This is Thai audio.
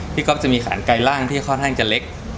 ก๊อฟจะมีขานไกลร่างที่ค่อนข้างจะเล็ก